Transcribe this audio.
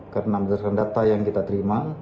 karena berdasarkan data yang kita terima